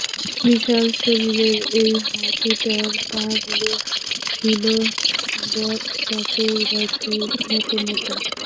বিশাল শরীরের ওই হাতিটার পা গুলো ছিল বটপাকুড়গাছের মতো মোটা।